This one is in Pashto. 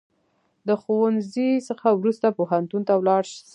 د ښوونځي څخه وروسته پوهنتون ته ولاړ سه